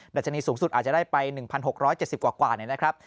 ชนีสูงสุดอาจจะได้ไป๑๖๗๐กว่านะครับ